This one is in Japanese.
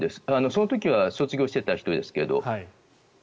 その時は卒業していた人ですけど。